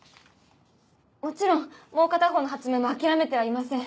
もちろんもう片方の発明も諦めてはいません。